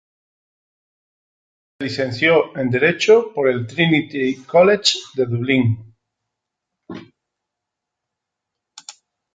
Se licenció en derecho por el Trinity College de Dublín.